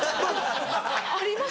あります！